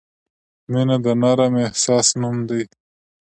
• مینه د نرم احساس نوم دی.